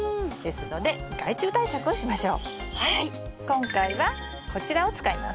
今回はこちらを使います。